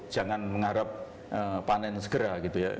jangan mengharap panen segera gitu ya